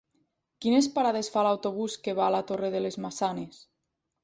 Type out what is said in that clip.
Quines parades fa l'autobús que va a la Torre de les Maçanes?